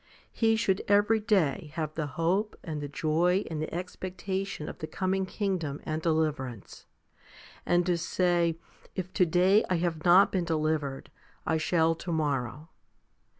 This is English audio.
He should every day have the hope and the joy and the expectation of the coming kingdom and deliverance, and to say, " If to day I have not been delivered, I shall to morrow."